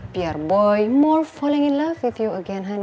biar boy lebih suka mencintai kamu lagi sayang